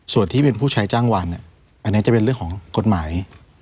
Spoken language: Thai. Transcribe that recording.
ส่วนที่เป็นผู้ใช้จ้างวันอันนี้จะเป็นเรื่องของกฎหมาย